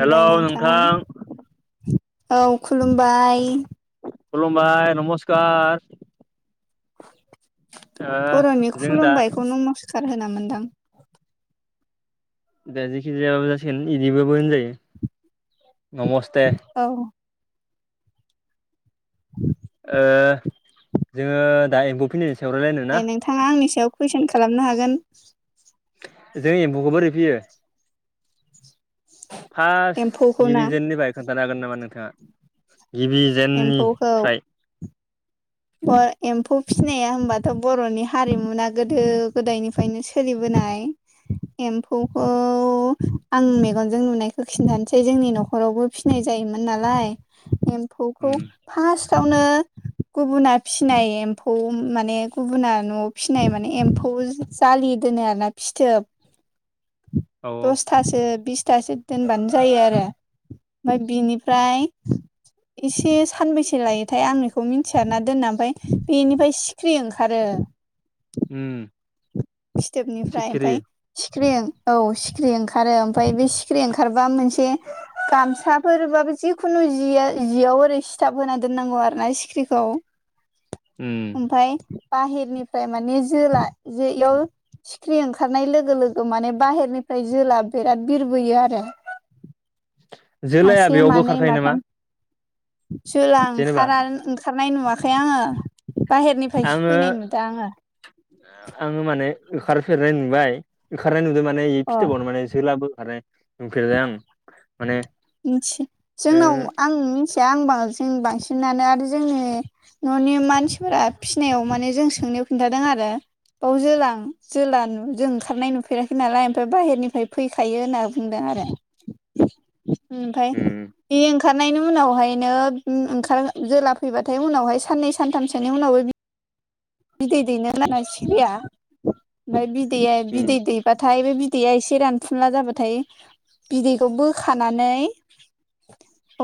हेल' नोंथां। औ खुलुमबाय। खुलुमबाय नमस्कार। ओ बर'नि जों दा खुलुमबायखौ नमस्कार होना मोनदां! दा जिखिजायाबाबो जासिगोन बिदिबाबो होनजायो नमस्ते। औ। उम ओ जोङो दा एम्फौ फिनायनि सायाव रायलायनो ना? थाङा आंनि सायाव कुइसन खालामनो हागोन। जों एम्फौखौ बोरै फियो। फार्स्ट एम्फौखौ ना गिबि जेननिफ्राय खोन्थानो हागोन नामा नोंथाङा? गिबि जेननिफ्राय ओ एम्फौ फिसिनाया होनबाथ' बर'नि हारिमुना गोदो गोदायनिफ्रायनो सोलिबोनाय। एम्फौखौ आं मेगनजों नुनायखौ खिन्थानोसै जोंनि न'खरावबो फिनाय जायोमोन नालाय एम्फौखौ उम फार्स्टआवनो। गुबुना फिसिनाय एम्फौ माने गुबुना न'आव फिसिनाय माने एम्फौ जालि दोनो आरोना। फिथोब औ दसथासो बिसथासो दोनबानो जायो आरो। ओमफ्राय बिनिफ्राय एसे सानबेसे लायोथाय आं बेखौ मिन थियाना दोनना ओमफ्राय बेनिफ्राय सिख्रि ओंखारो। उम। फिथोबनिफ्राय सिखिरि ओमफ्राय सिखिरि औ सिखिरि ओंखारो ओमफ्राय बे सिखिरि ओंखारबा मोनसे गामसाफोरबाबो जिखुनु जियाव ओरै सिथाब होना दोननांगौ आरो ना सिख्रिखौ उम ओमफ्राय बाहेरनिफ्राय मानिे जोला ज इयाव सिख्रि ओंखारनाय लोगो लोगो माने बाहेरनिफ्राय जोला बिराद बिरबोयो आरो जोलाया मासे बेयावबो मानै ओंखारखायो नामा माथाम जला जेनेबा ओंखार ओंखारनाय नुवाखै आङो बाहेरनिफ्राय सो आङो फैनाय नुदों आङो आङो माने ओंखारफेरनाय नुबाय ओंखारनाय नुदों माने अ फिथोबावनो माने जोलाबो ओंखारनाय नुफेरदों आं माने मिथि जोंनाव ओ आं मिथिया आं जों बांसिनानो आरो जोंनि न'नि मानसिफोरा फिसिनायाव माने जों सोंनोाव खिन्थादों आरो बाव ज जला जों ओंखारनाय नुफेराखै नालाय ओमफ्राय बाहेरनिफ्राय फैखायो होनना बुंदों आरो मफ्राय उम बे ओंखारनायनि उनावहायनो ओंखार जेला फैबाथाय उनावहाय साननै सानथामसोनि उनावबो बिदै दैनो होना सिखिरिया ओमफ्राय बिदैया उम बिदै दै बाथाय बे बिदैया एसे रानफुनला जाबाथाय बिदैखौ बोखानानै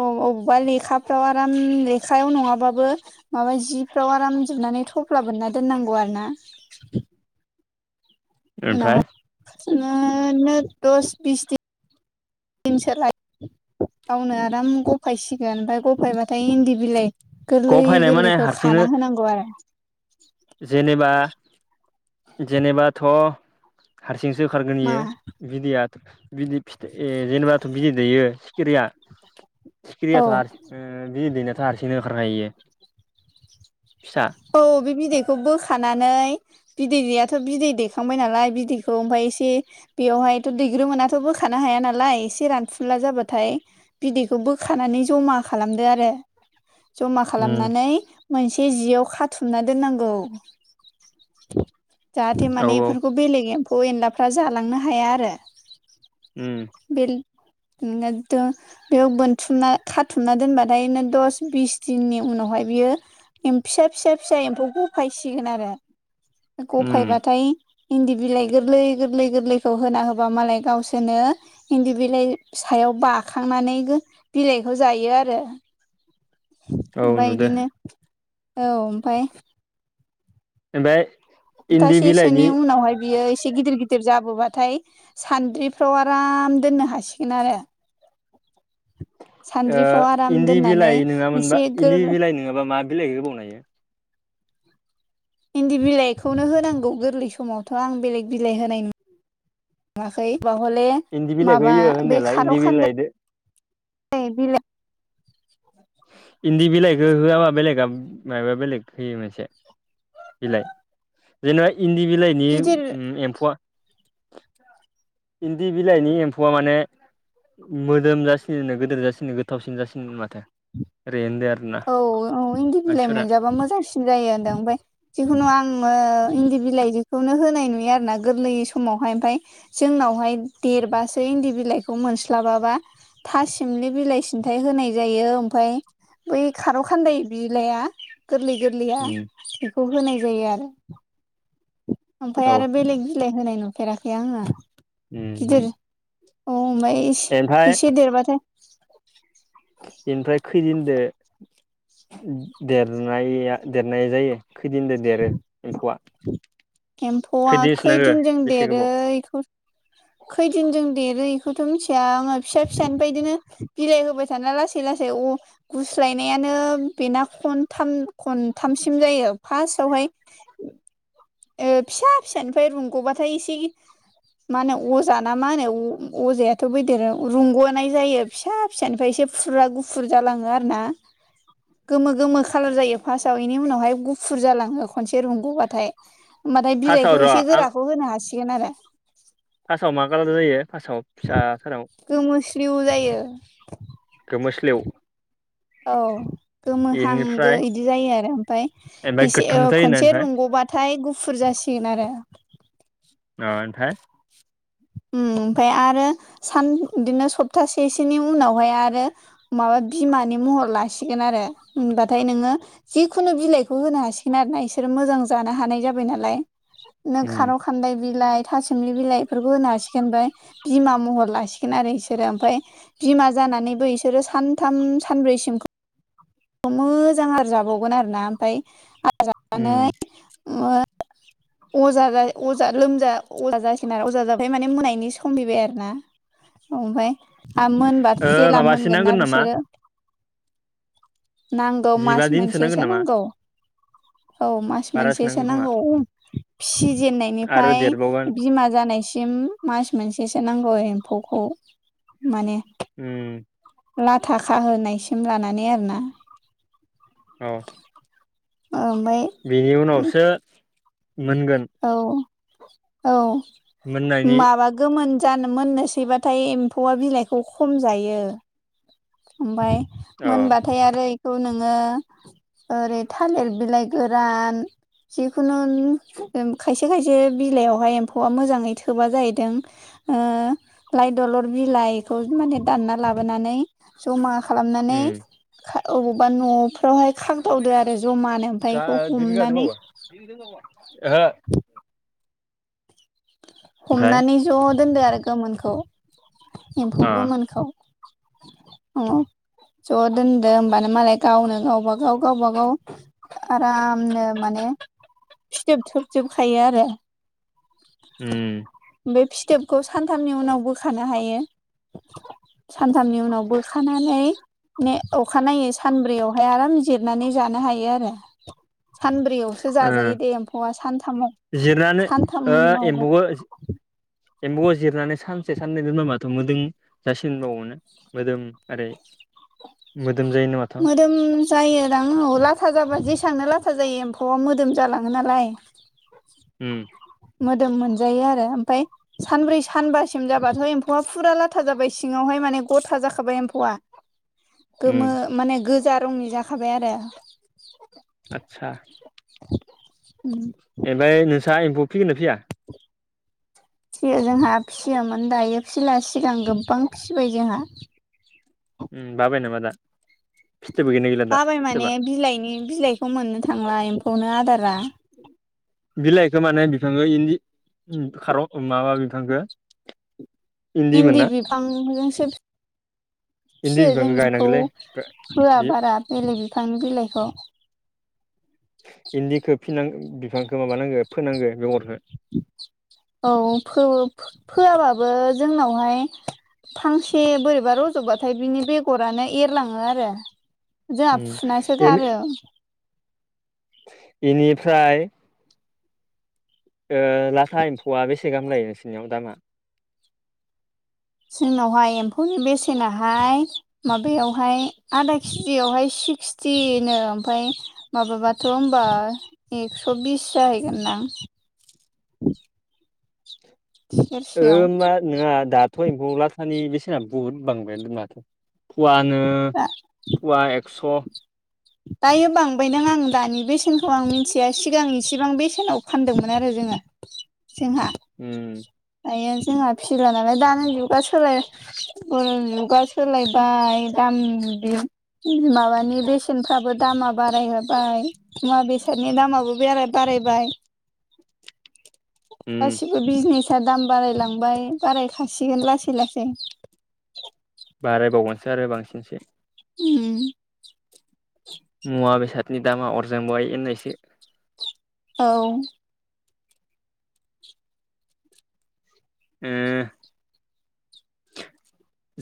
अबेबा लेखाफ्राव आराम लेखायाव नङाबाबो माबा जि फ्राव आरामजोबनानै थफ्ला बोनना दोननांगौ आरो ना ओमफ्राय उनावहाय बिनो दस बिस दिन दिनसोलाय गावनो आराम गफायसिगोन ओमफ्राय उफायबाथाय इन्दि बिलाइ गोरलै ग फैनाय माने गोरलैखौ हारसिंनो खाना होनांगौ आरो जेनेबा जेनेबाथ' हारसिंसो होखारगोन मा बियो बिदैयाथ' बिदै फिथाइ ए जेनेबाथ' बिदै दैयो क्रिया औ सिक्रिया थ' आरो बि दैैनाथ' हारसिंनो होओंखारखायो फिसा औ बे बिदैखौ बोखानानै बिदैयाथ' बिदै दैखांबाय नालाय बिदैखौ ओमफ्राय एसे बेवहायथ' दैग्रोमोनाथ' बोखानो हाया नालाय एसे रानफुला जाबाथाय बिदैखौ बोखानानै जमा खालामदो आरो जमा उम खालामनानै मोनसे जियाव खाथुमना दोननांगौ जाहाथे औ माने बेफोरखौ बेलेग एम्फौ एनलाफ्रा जालांनो हाया आरो उम बेल [unintelligible] बेयाव बोनथुमना खाथुमना दोनबाथायनो दस बिस दिननि उनावहाय बियो फिसा फिसा फिसा एम्फौ गफायसिगोन आरो उम गफायबाथाय इन्दि बिलाइ गोरलै गोरलै गोरलैखौ होना होबा मालाय गावसोरनो इन्दि बिलाइ सायाव बाखांनानै बिलाइखौ जायो आरो औ ओमफफ्राय नुदो बिदिनो औ ओमफाय ओमफ्राय इन्दि सप्थासेसोनि बिलाइनि उनावहाय बियो एसे गिदिर गिदिर गिदिर जाबोबाथाय सान्द्रिफ्राव आराम दोननो हासिगोन आरो सान्द्रिफ्राव आराम इन्दि दोननानै बिलाइ एसे नङामोनबा इन्दि गोर बिलाइ ङाबा मा बिलाइ होबावनो हायो इन्दि बिलाइखौनो होनांगौ गोरलै समावथ' आं बेलेग बिलाइ होनाय नो थाखै ब हले इन्दि बिलाइखौ माबा होयो बे होननायालाय खार' इन्दि खान्दा बिलाइदो बि इन्दि बिलाइखौ होआबा बेलेगा माबा बेलेग होयो मोनसे बिलाइ जेनेबा इन्दि बिलाइनि गिदिर एम्फौआ इन्दि बिलाइनि एम्फौआ माने उ मोदोम जासिनोनो गोदोर जासिनो गोथावसिन जासिनो माथो ओरै होनदो आर औ औ इन्दि बिलाइ मोनजाबा मोजांसिन जायो होनदों ओमफाय जिखुनु आङो इन्दि बिलाइ जिखुनो होनाय नुयो आरो ना गोरलै समावहाय ओमफाय जोंनावहाय देरबासो इन्दि बिलाइखौ मोनस्लाबाबा था सिमलि बिलाइ सिन्थाय होनाय जायो ओमफाय बै खारौ खान्दाय बिलाया गोरलै गोरलैया उम बेखौ होनाय जायो आरो ओमफाय औ आरो बेलेग बिलाइ होनाय नुफेराखै आङो। उम उम अ ओमफाय इस ओमफ्राय इसे देरबाथाय बेनिफ्राय खैदिनदो उम देरनाया देरनाय जायो? खैदिनदो देरो एम्फौआ? एम्फौआ खैदिनसो नांगो खैदिनजों बेसे देरो गोबाव इखौ खैदिनजों देरो इखौथ' मिथिया आङो फिसा फिसानिफ्राय इदिनो बिलाइ होबाय थाना लासै लासै अ गुस्लायनायानो बेना खनथाम खनथामसिम जायो फास्टआवहाय ओ फिसा फिसानिफ्राय रुंग'बाथाय एसे गि मा होनो अजा ना मा होनो अ अजायाथ' बे देर रुंग'नाय जायो। फिसा फिसानिफ्राय एसे फुरा गुफुर जालाङो आरो ना गोमो गोमो खालार जायो फास्टआव इनि उनावहाय गुफुर जालाङो खनसे रुंगबाथाय होमबाथाय फार्स्टआव बिलाइखौ र' एसे आं गोराखौ होनो हासिगोन आरो फास्टआव मा कालार जायो फास्टआव फिसाफोराव? गोमोस्रिउ जायो। गोमोस्लिउ औ गोमोहां गो इनिफ्राय इदि जायो आरो ओमफाय ओमफ्राय एसे गोथां ओ जायोनो खनसे ओमफ्राय रुंगौबाथ थाय गुफुर जासिगोन आरो अ ओनथाय उम ओमफाय आरो सान इदिनो सप्तासेसोनि उनावहाय आरो माबा बिमानि महर लासिगोन आरो होनबाथाय नोङो जिखुनु बिलाइखौ होनो हासिगोन आरो ना इसोरो मोजां जानो हानाय जाबाय नालाय नो उम खार' खान्दाय बिलाइ था सोमलि बिलाइ इफोरखौ होनो हासिगोन ओमफाय बिमा महर लासिगोन आरो इसोरो ओमफाय बिमा जानानैबो इसोरो सानथाम सानब्रैसिमख खौ मोजां आरो जाबावगोन आरोना ओमफाय आहार जानानै उम ओ अजा जाय अजा लोमजा अजा जासिगोन आरो अजा जाबाथाय माने मोननायनि सम फैबाय आरो ना औ ओमफाय आ मोनबा ओ जेला माबासो मोनगोन नांगोन ना नामा बिसोरो नांगौ जिबा मास दिनसो नांगोन मोनसेसो नामा नांगौ। औ मास बारासो मोनसेसो नांगोन खोमा नांगौ उ आरो फिसिजेननायनिफाय देरबावगोन बिमा जानायसिम मास मोनसेसो नांगौ एम्फौखौ माने उम लाथा खाहोनायसिम लानानै आरोना अ ओ ओमफाय बेनि उनावसो मोनगोन। औ औ मोननायनि माबाग गोमोन जानो मोननोसैबाथाय एम्फौआ बिलाइखौ खम जायो। ओमफाय अ मोनबाथाय आरो इखौ नोङो ओरै थालिर बिलाइ गोरान जिखुनोन ओम खायसे खायसे बिलाइयावहाय एम्फौआ मोजाङै थोबा जाहैदों। ओ लाइ दलर बिलाइखौ माने दानना लाबोनानै जमा खालामनानै उम खा अबावबा न'फ [unintelligible] हाय खागदावदो आरो जमानो ओमफाय गा इखौ दुइ बिघा हमनानै दंबावो ओहो ओमफ्राय हमनानै ज' दोनदो आरो गोमोनखौ एम्फौ अ गोमोनखौ [unintelligible] ज' दोनदो होमबानो मालाय गावनो गावबा गाव गावबा गाव आरामनो माने फिथोब थोबजोबखायो आरो उ बे फिथोबखौ सानथामनि उनाव बोखानो हायो सानथामनि उनाव बोखानानै ने अखानायै सानब्रैयावहाय आराम जिरनानै जानो हायो आरो सानब्रैयावसो ओ जाजायो दे एम्फौआ सानथामाव जिरनानै सानथाम एम्फौआ जिरनानै सानसे साननै दोनबा माथो मोदोम जासिनबावोनो मोदोम ओरै मोदोम जायो नो माथो मोदोम जायोदां औ लाथा जाबा जेसांनो लाथा जायो एम्फौआ मोदोम जालाङो नालाय उ मोदोम मोनजायो आरो ओमफाय सानब्रै सानबासिम जाबाथ' एम्फौआ फुरा लाथा जाबाय सिङावहाय माने गथा जाखाबाय एम्फौआ उम गोमो माने गोजा रंनि जाखाबाय आरो आतसा उ इमफाय नोंसा एम्फौ फिगोना फिया फियो जोंहा फिसियोमोन दायो फिसिला सिगां गोबां फिबाय जोंहा उ बाबाय नामा दा फिथबो गैना बाबाय माने बिलाइनि बिलाइखौ मोननो थांला एम्फौनो आदारा बिलाइखौ माने बिफां इन्दि खार ओ माबा बिफांखो इन्दि बिफांजोंसो इन्दि फियो बिफांखौ जोंनिखौ गायनांगौलै होआ बे बारा बेलेग बिफांनि बिलाइखौ इन्दिखौ फिनां बिफांखौ माबानांगो फोनांगो बेगरखौ औ फो फोआबाबो जोंनावहाय फांसे बोरैबा रज'बाथाय बिनि बेगरानो एरलाङो आरो जोंहा फुनासो गारो इनिफ्राय ओ लाथा एम्फौआ बेसे गाहाम लायो नोंसिनियाव दामा? जोंनावहाय एम्फौनि बेसेनाहाय माबायावहाय आधा केजियावहाय सिक्सटिनो ओमफाय माबाबाथ' होनबा एक्स' बिस जाहैगोन ना सेरसेयाव ओमबा नोङा दाथ' एम्फौ लाथानि बेसेना बुहुद बांबाय माथो फुवानो दा फुवा एक्स' दायो बांबाय दां आं दानि बेसेनखौ आं मिन्थिया सिगां इसिबां बेसेनाव फानदोंमोन आरो जोङो जोंहा उ दायो जोंहा फिला नालाय दानि जुगा सोलाय [unintelligible] जुगा सोलायबाय दाम बि माबानि बेसेनफ्राबो दामा बाराय होबाय मुवा बेसादनि दामाबो बेरा बारायबाय। उम गासिबो बिजनेसा दाम बारायलांबाय बारायखासिगोन लासै लासै। बारायबावगोनसो आरो बांसिनसो। [unintelligible] मुवा बेसादनि दामा अरजोंबाय होननायसो। औ। ओ।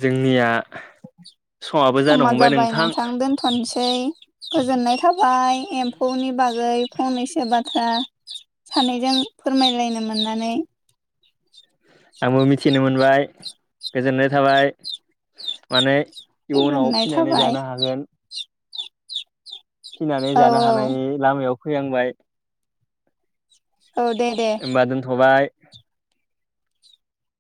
जोंनिया समाबो जानो हमबाय नोंथां। थानसै गोजोननाय थाबाय एम्फौनि बागै फंनैसो बाथ्रा सानैजों फोरमायलायनो मोननानै। आंबो मिथिनो मोनबाय गोजोननाय थाबाय। माने इयुनाव गोजोननाय फिनानै थाबाय जानो हागोन। फिनानै औ जानो औ हानायनि लामायाव फैहांबाय। औ दे दे। होनबा दोनथ'बाय।